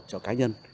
cho cá nhân